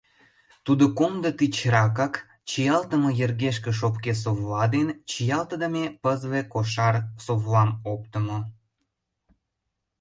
Тудо комдо тичракак чиялтыме йыргешке шопке совла ден чиялтыдыме пызле кошар совлам оптымо.